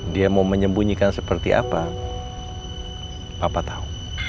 dia mau menyembunyikan seperti apa hai apa tahu